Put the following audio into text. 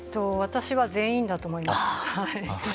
私は全員だと思います。